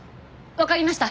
わかりました。